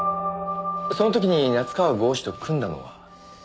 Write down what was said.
その時に夏河郷士と組んだのは？